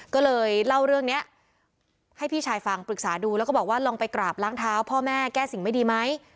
ก็เลยเล่าเรื่องนี้ให้พี่ชายฟังปรึกษาดูแล้วก็บอกว่าลองไปกราบล้างเท้าพ่อแม่แก้สิ่งไม่ดีไหม